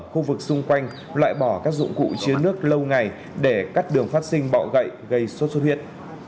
khu vực xung quanh loại bỏ các dụng cụ chứa nước lâu ngày để cắt đường phát sinh bọ gậy gây sốt xuất huyết